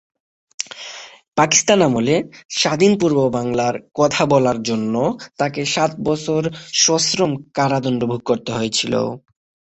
পাকিস্তান আমলে "স্বাধীন পূর্ব বাংলার" কথা বলার জন্য তাকে সাত বছর সশ্রম কারাদণ্ড ভোগ করতে হয়েছিল।